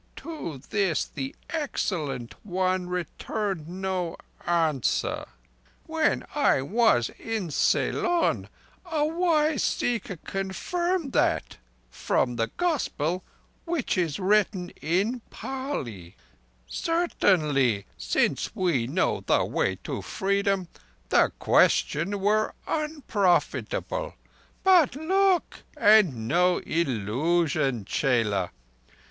On this the Excellent One returned no answer ... When I was in Ceylon, a wise Seeker confirmed that from the gospel which is written in Pali. Certainly, since we know the way to Freedom, the question were unprofitable, but—look, and know illusion, _chela!